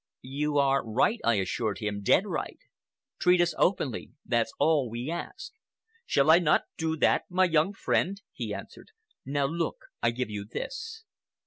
'You are right,' I assured him,—'dead right. Treat us openly, that's all we ask.' 'Shall I not do that, my young friend?' he answered. 'Now look, I give you this.